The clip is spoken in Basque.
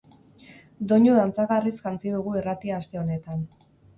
Doinu dantzagarriz jantzi dugu irratia aste honetan.